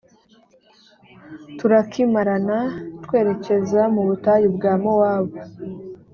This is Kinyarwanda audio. turakimirana, twerekeza mu butayu bwa mowabu.